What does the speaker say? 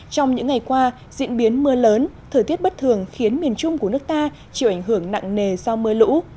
trong những ngày qua diễn biến mưa lớn thời tiết bất thường khiến miền trung của nước ta chịu ảnh hưởng nặng nề do mưa lũ